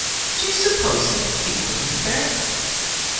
Do you suppose that people live there?"